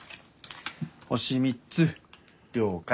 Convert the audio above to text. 星３つ了解。